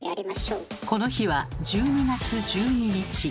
この日は１２月１２日。